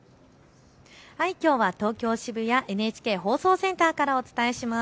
きょうは東京渋谷ＮＨＫ放送センターからお伝えします。